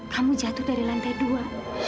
kamu jatuh dari lantai dua